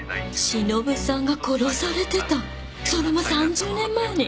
忍さんが殺されてたそれも３０年前に！